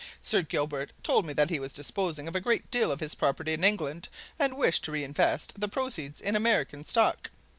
Sir Gilbert told me that he was disposing of a great deal of his property in England and wished to re invest the proceeds in American stock.